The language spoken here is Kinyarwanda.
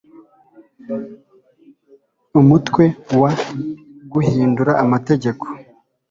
Umutwe wa Guhindura amategeko